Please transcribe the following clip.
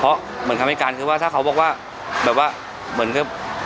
เพราะเหมือนคำให้การคือว่าถ้าเขาบอกว่าแบบว่าเหมือนกับ